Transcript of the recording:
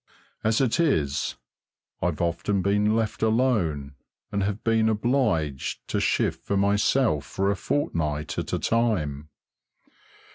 As it is, I've often been left alone and have been obliged to shift for myself for a fortnight at a time.